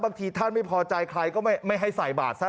ท่านไม่พอใจใครก็ไม่ให้ใส่บาทซะ